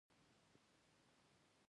عثمان جان پاچا څادر څنډ واهه.